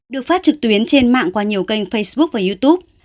được phát trực tuyến trên mạng qua nhiều kênh facebook và youtube